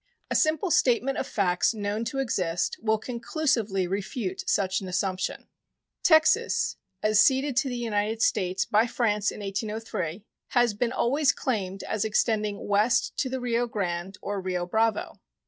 A simple statement of facts known to exist will conclusively refute such an assumption. Texas, as ceded to the United States by France in 1803, has been always claimed as extending west to the Rio Grande or Rio Bravo.